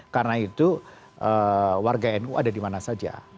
karena itu warga nu ada di mana saja